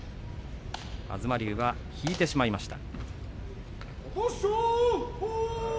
東龍は引いてしまいました。